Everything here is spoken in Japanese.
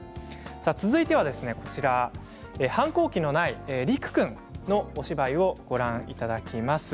続いては反抗期のない、りく君のお芝居をご覧いただきます。